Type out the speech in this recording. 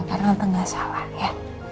karena tante gak salah ya